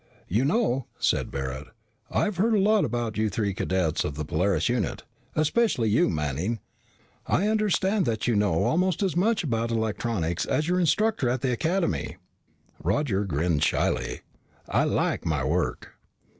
"You know," said Barret, "I've heard a lot about you three cadets of the Polaris unit. Especially you, Manning. I understand that you know almost as much about electronics as your instructor at the Academy." Roger grinned shyly. "I like my work."